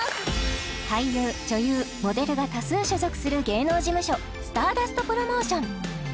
俳優女優モデルが多数所属する芸能事務所スターダストプロモーション